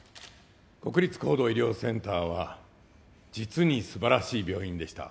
国立高度医療センターは実に素晴らしい病院でした。